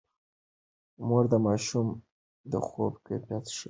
مور د ماشومانو د خوب کیفیت ښه کوي.